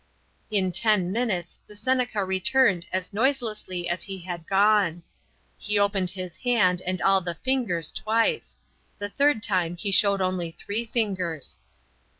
In ten minutes the Seneca returned as noiselessly as he had gone. He opened his hand and all the fingers twice; the third time he showed only three fingers.